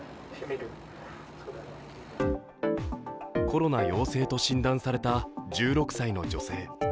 コロナ陽性と診断された１６歳の女性。